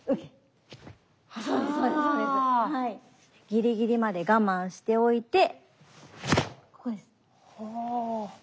ギリギリまで我慢しておいてここです。